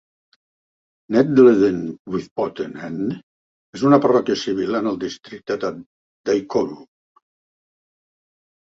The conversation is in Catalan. Nettleden with Potten End és una parròquia civil en el districte de Dacorum.